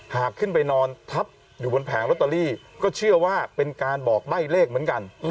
หากขึ้นไปนอนทับอยู่บนแผงลอตเตอรี่ก็เชื่อว่าเป็นการบอกใบ้เลขเหมือนกัน